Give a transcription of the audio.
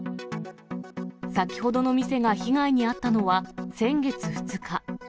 先ほどの店が被害に遭ったのは先月２日。